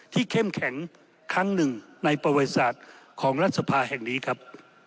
เข้มแข็งครั้งหนึ่งในประวัติศาสตร์ของรัฐสภาแห่งนี้ครับ